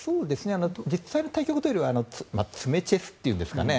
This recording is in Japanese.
実際の対局というよりは詰めチェスというんですかね